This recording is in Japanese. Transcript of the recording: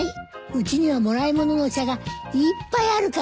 うちにはもらい物のお茶がいっぱいあるから。